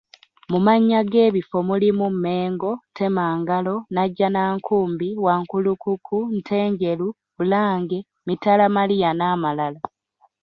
Mu mannya g'ebifo mulimu Mengo, Temangalo, Najjanankumbi, Wankulukuku, Ntenjeru, Bulange, Mitalamaria n'amalala.